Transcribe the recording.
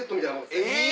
え！